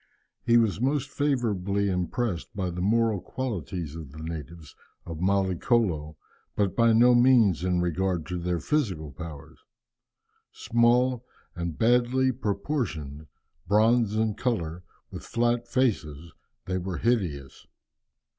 He was most favourably impressed by the moral qualities of the natives of Mallicolo, but by no means so in regard to their physical powers. Small and badly proportioned, bronze in colour, with flat faces, they were hideous.